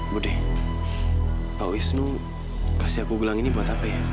budde pak wisnu kasih aku gelang ini buat apa ya